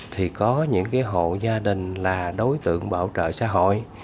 thì có những hộ gia đình là đối tượng bảo trợ xã hội